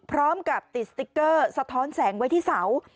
พร้อมกับติดสติ๊กเกอร์สะท้อนแสงไว้ที่เสา